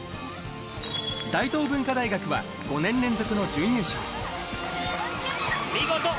大東文化大学は５年連続の準優勝。